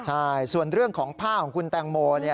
ใช่ส่วนเรื่องของผ้าของคุณแตงโม